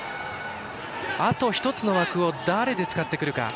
あと１つの枠を誰で使ってくるか。